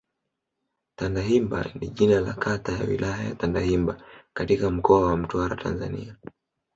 Tandahimba ni jina la kata ya Wilaya ya Tandahimba katika Mkoa wa Mtwara, Tanzania.